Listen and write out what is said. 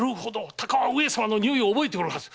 鷹は上様のにおいを覚えておるはず。